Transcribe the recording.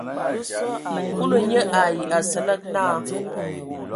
Kulu nye ai Asǝlǝg naa.